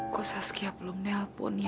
kok saskia belum nelpon ya